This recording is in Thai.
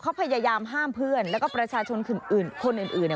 เขาพยายามห้ามเพื่อนแล้วก็ประชาชนอื่นคนอื่น